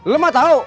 lo mah tau